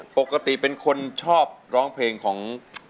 ปกติเป็นคนชอบร้องเพลงของ